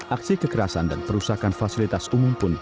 aksi kekerasan dan perusakan fasilitas umum pun